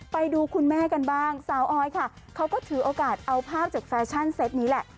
ไปดูคุณแม่กันบ้างสาวออยค่ะเขาก็ถือโอกาสเอาภาพจากแฟชั่นเซตนี้แหละ